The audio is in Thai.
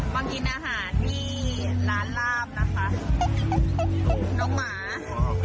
มากินอาหารที่ร้านลาบนะคะ